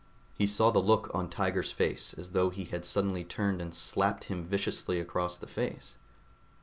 He saw the look on Tiger's face, as though he had suddenly turned and slapped him viciously across the face.